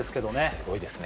すごいですね